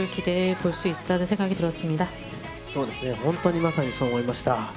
そうですね、本当にまさにそう思いました。